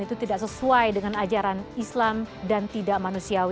kementerian luar negeri qatar juga menyatakan kekecewaan yang mendalam atas pemberlakuan lawan